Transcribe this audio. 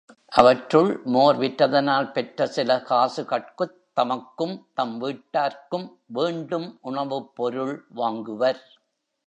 அவற்றுள், மோர் விற்றதனால் பெற்ற சில காசுகட்குத் தமக்கும், தம் வீட்டார்க்கும் வேண்டும் உணவுப் பொருள் வாங்குவர்.